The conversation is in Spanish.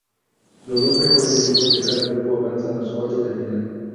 Los dos mejores equipos de cada grupo avanzan a los cuartos de final.